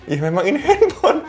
ya memang ini handphon